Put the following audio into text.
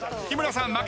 日村さん。